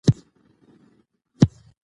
د ماشوم سترګو ته مناسب واټن وساتئ.